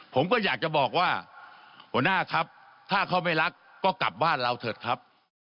ผมก็อยากจะบอกว่าหัวหน้าครับถ้าเขาไม่รักก็กลับบ้านเราเถอะครับ